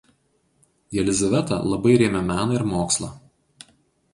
Jelizaveta labai rėmė meną ir mokslą.